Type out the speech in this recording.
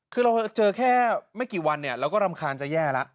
คือเราเจอแค่ไม่กี่วันเนี่ยเราก็รำคาญจะแย่แล้ว